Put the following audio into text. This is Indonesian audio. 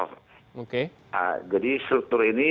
oke jadi struktur ini